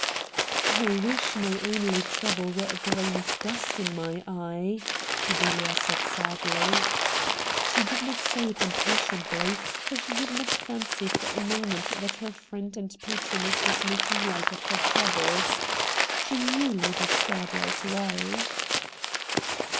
' I wish my only trouble were a grain of dust in my eye,' Fidelia said sadly. She did 152 RED DIAMONDS not say it impatiently, for she did not fancy for a moment that her friend and patroness was making light of her troubles. She knew Lady Scardale's way.